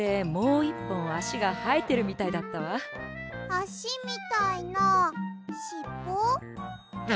あしみたいなしっぽ？